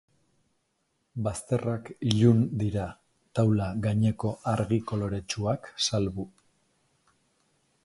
Bazterrak ilun dira, taula gaineko argi koloretsuak salbu.